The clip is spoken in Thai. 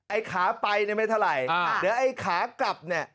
ไอ้ขาไปเนี่ยไม่เท่าไหร่เดี๋ยวไอ้ขากลับเนี่ย